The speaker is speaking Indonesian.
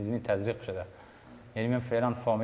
saya sudah memahami